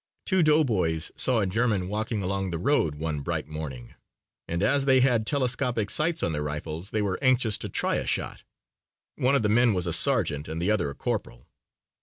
Two doughboys saw a German walking along the road one bright morning and as they had telescopic sights on their rifles they were anxious to try a shot. One of the men was a sergeant and the other a corporal.